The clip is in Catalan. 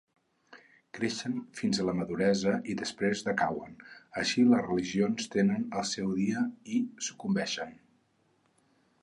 Creixen fins a la maduresa i després decauen; Així les religions tenen el seu dia i sucumbeixen.